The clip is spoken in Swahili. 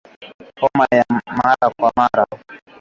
Homa ya mara kwa mara